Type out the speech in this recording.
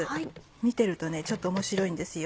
見ているとちょっと面白いんですよ。